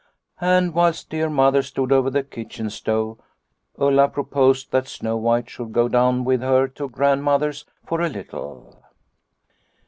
And whilst dear Mother stood over the kitchen stove Ulla proposed that Snow White should go down with her to Grandmother's for a little.